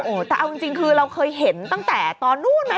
แต่เอาจริงคือเราเคยเห็นตั้งแต่ตอนนู้นน่ะ